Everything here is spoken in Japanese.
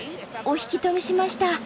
お引き止めしました。